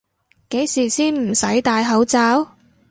幾時先唔使戴口罩？